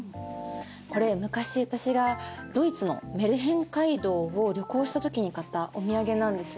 これ昔私がドイツのメルヘン街道を旅行した時に買ったお土産なんです。